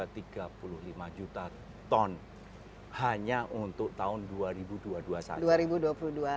tiga puluh lima juta ton hanya untuk tahun dua ribu dua puluh dua saja